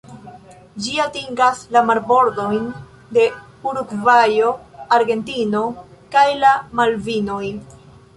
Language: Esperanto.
Ĝi atingas la marbordojn de Urugvajo, Argentino kaj la Malvinoj.